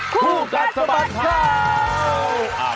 คู่กันสบัดครัว